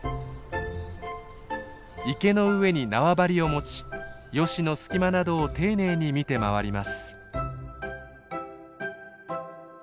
池の上に縄張りを持ちヨシの隙間などを丁寧に見て回ります。